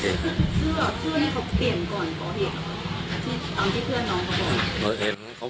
เพื่อให้เขาเปลี่ยนก่อนก่อเหตุตามที่เพื่อนน้องเขาบอก